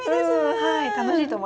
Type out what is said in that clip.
はい。